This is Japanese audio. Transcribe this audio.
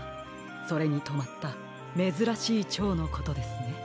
それにとまっためずらしいチョウのことですね。